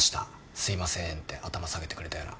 すいません」って頭下げてくれたよな。